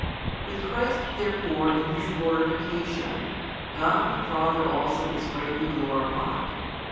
With Christ therefore in His glorification, God the Father also is greatly glorified.